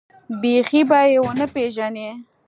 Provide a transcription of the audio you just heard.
بيخي به يې ونه پېژنې.